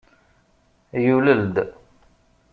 Yulel-d.